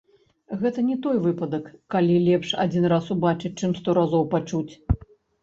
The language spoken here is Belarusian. Гэта не той выпадак, калі лепш адзін раз убачыць, чым сто разоў пачуць.